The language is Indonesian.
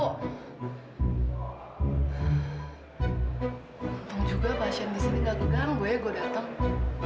untung juga pasien di sini nggak gegang gue gue dateng